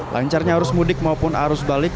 lancarnya arus mudik maupun arus balik